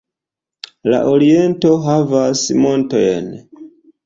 La oriento havas montojn.